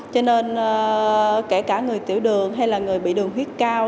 cho nên kể cả người tiểu đường hay là người bị đường huyết cao